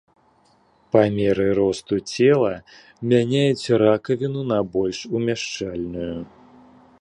Па меры росту цела мяняюць ракавіну на больш умяшчальную.